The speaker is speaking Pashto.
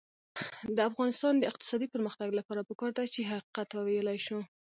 د افغانستان د اقتصادي پرمختګ لپاره پکار ده چې حقیقت وویلی شو.